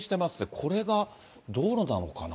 これが道路なのかな。